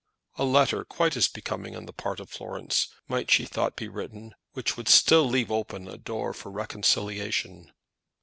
A letter, quite as becoming on the part of Florence, might, she thought, be written, which would still leave open a door for reconciliation.